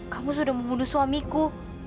kamu sudah membunuh suamiku